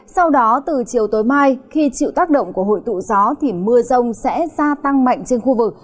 sau đó từ chiều tối mai khi chịu tác động của hội tụ gió thì mưa rông sẽ gia tăng mạnh trên khu vực